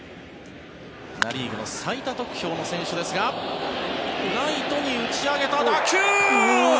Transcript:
ナ・リーグの最多得票の選手ですがライトに打ち上げた打球。